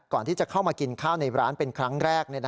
ก่อนที่จะเข้ามากินข้าวในร้านเป็นครั้งแรก